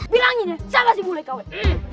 bilangin ya siapa sih mulai kawit